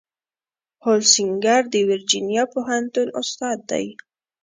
هولسینګر د ورجینیا پوهنتون استاد دی.